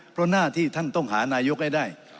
เพราะหน้าที่ท่านต้องหานายกให้ได้